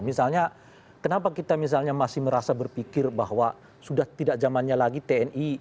misalnya kenapa kita misalnya masih merasa berpikir bahwa sudah tidak zamannya lagi tni